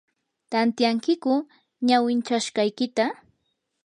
¿tantyankiyku ñawinchashqaykita?